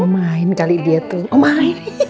main kali dia tuh oh main